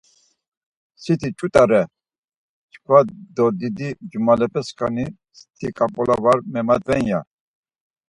Siti tzut̆a re çkva do didi cumalepe skani sti ǩap̌ula var memadven ya.